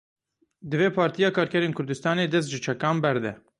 Divê Partiya Karkerên Kurdistanê dest ji çekan berde.